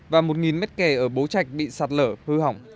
và một mét kè ở bố trạch bị sạt lở hư hỏng